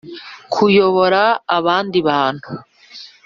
kuyobora abandi bantu,